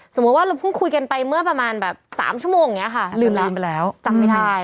สมมุติว่าเราเพิ่งคุยกันไปเมื่อประมาณแบบ๓ชั่วโมงอย่างนี้ค่ะลืมลืมไปแล้วจำไม่ได้